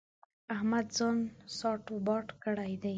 احمد ځان ساټ و باټ کړی دی.